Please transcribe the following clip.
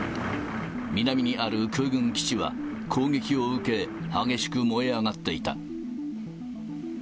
南にある空軍基地は、攻撃を受け、激しく燃え上がっていた。